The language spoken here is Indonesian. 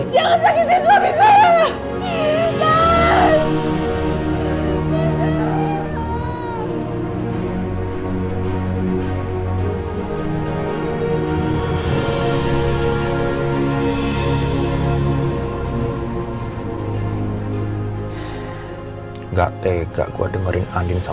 jangan sakitkan suami saya